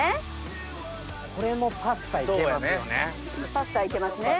パスタいけますね。